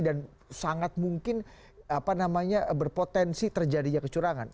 dan sangat mungkin berpotensi terjadinya kecurangan